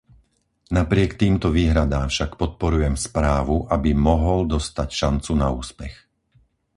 Napriek týmto výhradám však podporujem správu, aby mohol dostať šancu na úspech.